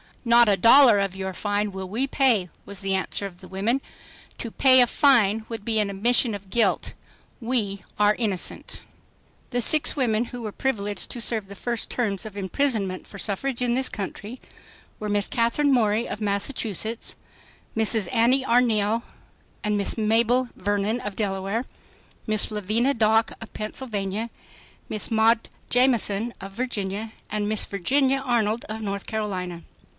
"Not a dollar of your fine will we pay," was the answer of the women. "To pay a fine would be an admission of guilt. We are innocent." The six women who were privileged to serve the first terms of imprisonment for suffrage in this country, were Miss Katherine Morey of Massachusetts, Mrs. Annie Arneil and Miss Mabel Vernon of Delaware, Miss Lavinia Dock of Pennsylvania, Miss Maud Jamison of Virginia, and Miss Virginia Arnold of North Carolina.